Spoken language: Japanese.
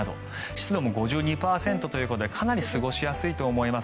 湿度も５２％ということでかなり過ごしやすいと思います